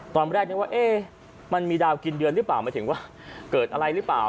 ตอนแรกนึกว่ามันมีดาวกินเดือนหรือเปล่าหมายถึงว่าเกิดอะไรหรือเปล่า